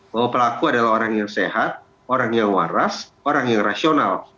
bahwa pelaku adalah orang yang sehat orang yang waras orang yang rasional